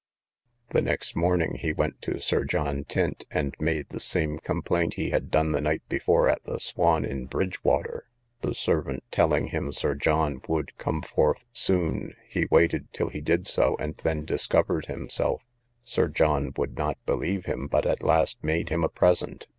The next morning he went to Sir John Tynte, and made the same complaint he had done the night before at the Swan in Bridgewater: the servant telling him Sir John would come forth soon, he waited till he did so, and then discovered himself; Sir John would not believe him, but at last made him a present.